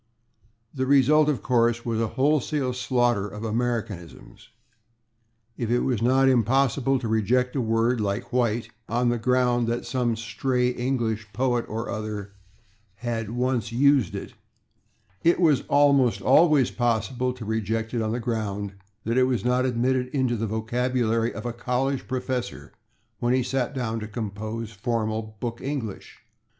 The result, of course, was a wholesale slaughter of Americanisms. If it was not impossible to reject a word, like White, on the ground that some stray English poet or other had once used it, it was almost always possible to reject it on the ground that it was not admitted into the vocabulary of a college professor when he sat down to compose formal book English.